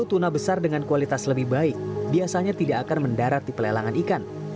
tuna besar dengan kualitas lebih baik biasanya tidak akan mendarat di pelelangan ikan